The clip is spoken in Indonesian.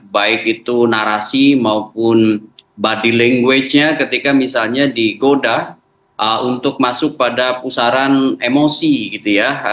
baik itu narasi maupun body language nya ketika misalnya digoda untuk masuk pada pusaran emosi gitu ya